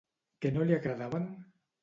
Què no li agradaven?